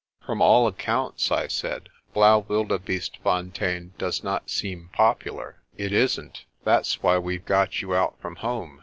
"From all accounts," I said, "Blaauwildebeestefontein does not seem popular." "It isn't. That's why we've got you out from home.